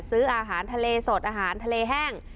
ซื้ออาหารทะเลสดอาหารทะเลแห้ง